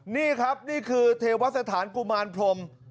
นี่ครับนี่คือเทวสถานกุมารพรม